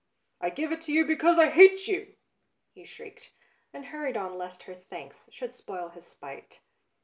" I give it to you because I hate you !" he shrieked, and hurried on lest her thanks should spoil his spite.